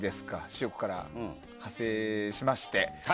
視力から派生しまして。